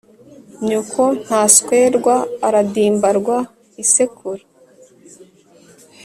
nyoko ntaswerwa aradimbarwa : isekuru